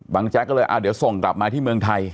แจ๊กก็เลยเดี๋ยวส่งกลับมาที่เมืองไทย